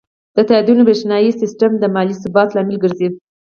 د تادیاتو بریښنایی سیستم د مالي ثبات لامل ګرځي.